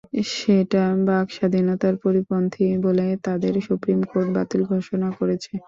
সেটা বাক স্বাধীনতার পরিপন্থী বলে তাদের সুপ্রিম কোর্ট বাতিল ঘোষণা করেছে।